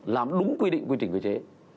làm đúng quy định quy trình quy chế